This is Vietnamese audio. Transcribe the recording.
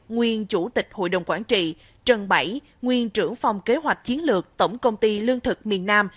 nguyên chủ tịch hội đồng quản trị trần bảy nguyên trưởng phòng kế hoạch chiến lược tổng công ty lương thực miền nam